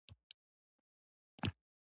کابل پر لور مارش شي.